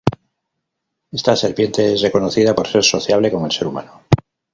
Esta serpiente es reconocida por ser sociable con el ser humano.